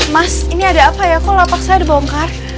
mas ini ada apa ya kok lapak saya dibongkar